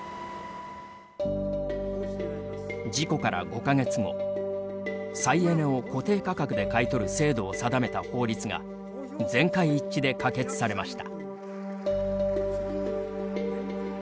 事故から５か月後再エネを固定価格で買い取る制度を定めた法律が全会一致で可決されました。